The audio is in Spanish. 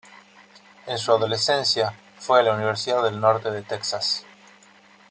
En su adolescencia, fue a la Universidad del Norte de Texas.